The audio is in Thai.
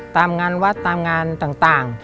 ตามงานวัดตามงานต่าง